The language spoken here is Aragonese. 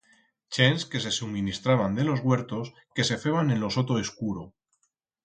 Chents que se suministraban de los huertos que se feban en lo soto escuro.